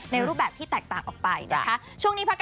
รูปแบบที่แตกต่างออกไปนะคะ